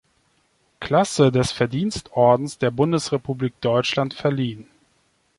Klasse des Verdienstordens der Bundesrepublik Deutschland verliehen.